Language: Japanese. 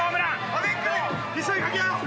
アベックで一緒にかけ合おう！